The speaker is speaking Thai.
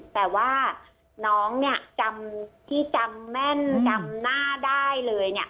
แต่ว่าน้องเนี่ยจำที่จำแม่นจำหน้าได้เลยเนี่ย